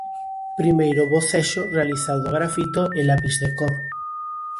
Primeiro bocexo, realizado a grafito e lapis de cor.